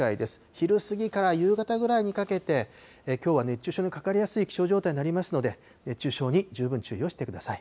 昼過ぎから夕方ぐらいにかけて、きょうは熱中症にかかりやすい気象状態になりますので、熱中症に十分注意をしてください。